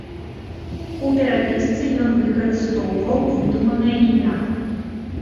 У перапісцы ён выкарыстоўваў выдуманае імя.